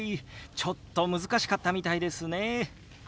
ちょっと難しかったみたいですね。